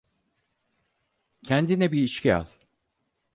Kendine bir içki al.